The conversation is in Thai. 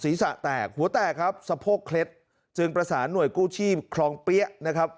ศีรษะแตกหัวแตกครับสะโพกเคล็ดจึงประสานหน่วยกู้ชีพคลองเปี๊ยะนะครับ